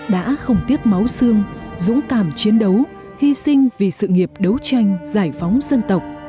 đã không tiếc máu xương dũng cảm chiến đấu hy sinh vì sự nghiệp đấu tranh giải phóng dân tộc